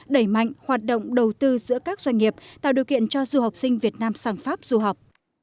đẩy mạnh hoạt động đầu tư giữa các doanh nghiệp tạo điều kiện cho du học sinh việt nam sang pháp du học